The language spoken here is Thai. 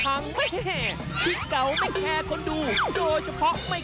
อ้าวเดี๋ยวรอเปลี่ยนเพลงข้างให้ก็ได้